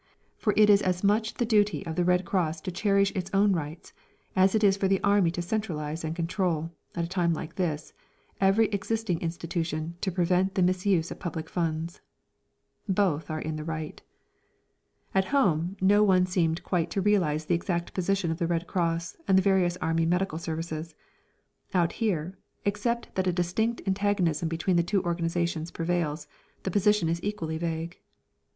For it is as much the duty of the Red Cross to cherish its own rights as it is for the Army to centralise and control, at a time like this, every existing institution to prevent the misuse of public funds. Both are in the right. At home no one seemed quite to realise the exact position of the Red Cross and the various Army medical services. Out here, except that a distinct antagonism between the two organisations prevails, the position is equally vague.